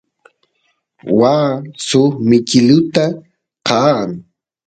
waa suk mikiluta qaan